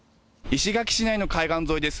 石垣市内の海岸沿いです。